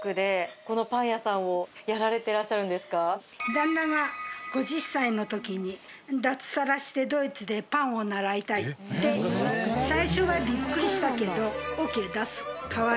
旦那が５０歳の時に脱サラしてドイツでパンを習いたいって。というのが夢だったので。